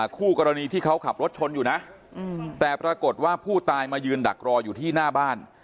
คู่กรณีที่เขาขับรถชนอยู่นะแต่ปรากฏว่าผู้ตายมายืนดักรออยู่ที่หน้าบ้าน